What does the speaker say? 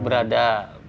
berada di rumah